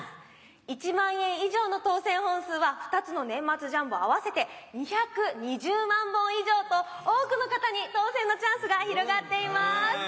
１万円以上の当選本数は２つの年末ジャンボ合わせて２２０万本以上と多くの方に当選のチャンスが広がっています。